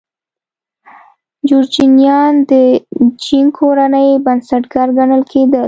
جورچنیان د چینګ کورنۍ بنسټګر ګڼل کېدل.